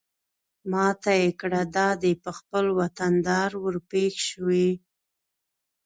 ما ته يې کړه دا دى په خپل وطندار ورپېښ شوې.